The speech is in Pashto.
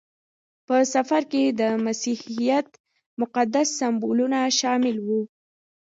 په سفر کې د مسیحیت مقدس سمبولونه شامل وو.